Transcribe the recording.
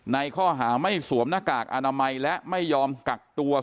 ในข้อหาไม่สวมหน้ากากอนามัยและไม่ยอมกักตัว